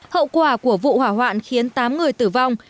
hậu quả của vụ hỏa hoạn khiến tám người tử vong